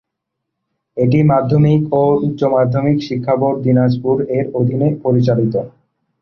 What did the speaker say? এটি মাধ্যমিক ও উচ্চ মাধ্যমিক শিক্ষা বোর্ড, দিনাজপুর এর অধীনে পরিচালিত।